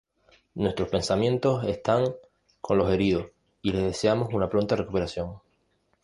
Nuestros pensamientos están con los heridos y les deseamos una pronta recuperación".